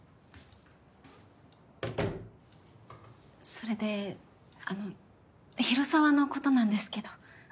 それであの広沢のことなんですけど。